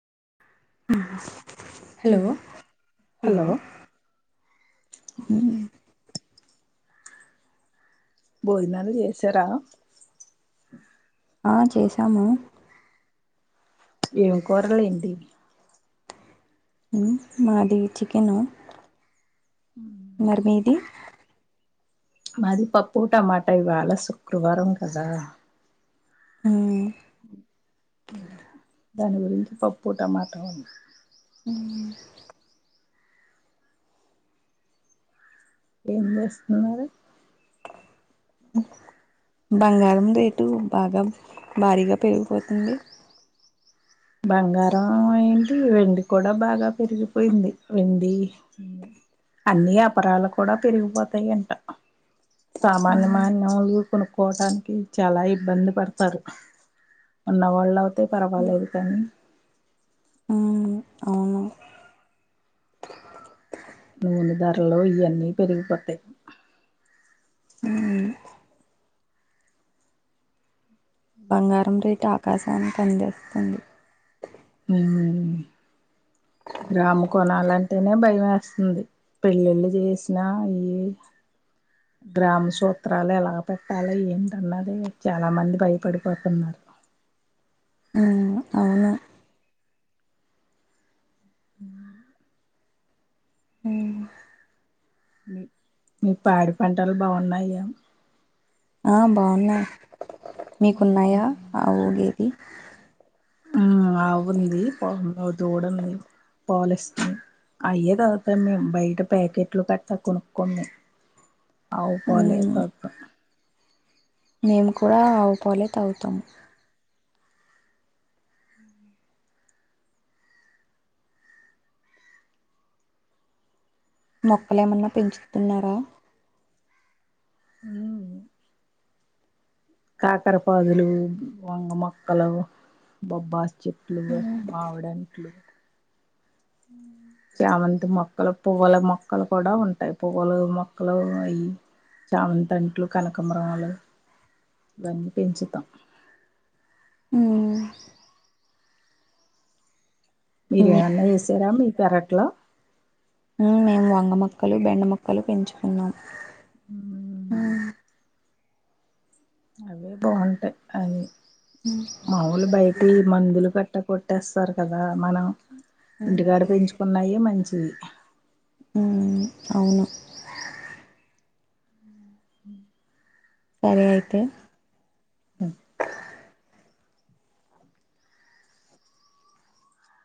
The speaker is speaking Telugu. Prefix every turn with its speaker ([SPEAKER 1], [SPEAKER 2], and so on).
[SPEAKER 1] హలో హలో
[SPEAKER 2] బోజనాల్ అ చేసరా స
[SPEAKER 1] ఆ చేసాము
[SPEAKER 2] ఏం కురలేంటి
[SPEAKER 1] హమ్ మాది చికెను మరి మీది
[SPEAKER 2] మది పప్పు టమాటా ఇవాళ సుక్కు అటు వారం కదా
[SPEAKER 1] అ
[SPEAKER 2] వు దాని గురించి పప్పు టమాటా ఉంది
[SPEAKER 1] ఆ
[SPEAKER 2] ఏం చేస్తున్నారు
[SPEAKER 1] బంగారం రేటు బాగా భారీగా పెరిగిపోతుంది
[SPEAKER 2] బంగారం ఏంటి వెండి కూడా బాగా పెరిగిపోయింది వెండి అన్ని అపరాలు కూడా పెరిగిపోతాయంట సమాన్ మన్ మములు కొనుక్కోవటానికి చాలా ఇబ్బంది పడతారు ఉన్నవాళ్ళు అవుతే పర్వాలేదు అను
[SPEAKER 1] అవును
[SPEAKER 2] నూనె ధరలో ఇయన్నీ పెరిగిపోతాయి
[SPEAKER 1] బంగారం రేట్ ఆకాశానికి అందేస్తుంది
[SPEAKER 2] ఆ గ్రామ కొనాలంటేనే భయం వేస్తుంది పెళ్లిళ్ళు చేసిన అయి గ్రామ సూత్రాలు ఎలా పెట్టాలి ఏంటన్నా అ చాలా మంది భయపడిపోతున్నారు
[SPEAKER 1] ఆ అవును
[SPEAKER 2] ఆ
[SPEAKER 1] ఆ
[SPEAKER 2] మీ పాడి పంటలు బాగున్నాయా
[SPEAKER 1] ఆ బాగున్నాయి మీకున్నాయా అ ఊగే
[SPEAKER 2] అవుంది ప దూడల్ని పాలస్టిన్ అయ్యే తర్వాత మేము బయట ప్యాకెట్లు కట్టా కొనుక్కని అవు పోలేదప్ప
[SPEAKER 1] మేము కూడా ఆవుపాలే తాగుతాం మొక్కలు ఏమన్నా పెంచుతున్నారా
[SPEAKER 2] కాకరపాదులు, వంగ, మొక్కలు బొబ్బా. చెట్లు మావిడంట్లు చామంతి మొక్కలు పువ్వుల మొక్కలు కూడా ఉంటాయి పువ్వులు మొ మక్కలు అవి చామ అంట్లు కనకంమ్రాలు ఇవన్నీ పెంచుతాం
[SPEAKER 1] ఆ
[SPEAKER 2] మీరేమన్న వేసారా మీ పెరట్లో
[SPEAKER 1] ఆ మొక్కలు బెండ మొక్కలు పెంచుకుందం
[SPEAKER 2] ఉ అవే బాగుంటాయి అని. మాములు బయటే మందులు కట్. కొట్టేస్తారు కదా మనం. ఇంటికాడ పెంచుకున్నాయే మంచివి.
[SPEAKER 1] అవును.
[SPEAKER 2] హ
[SPEAKER 1] సరే అయితే.
[SPEAKER 2] అ.